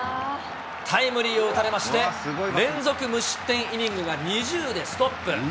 タイムリーを打たれまして、連続無失点イニングが２０でストップ。